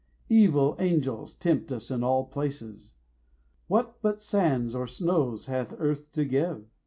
Evil angels tempt us in all places. What but sands or snows hath earth to give?